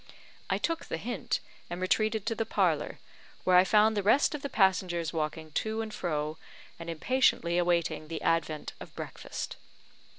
I took the hint, and retreated to the parlour, where I found the rest of the passengers walking to and fro, and impatiently awaiting the advent of breakfast.